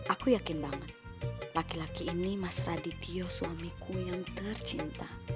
aku yakin banget laki laki ini mas radityo suamiku yang tercinta